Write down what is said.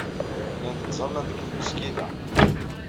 Llant ttẓallant deg tmesgida.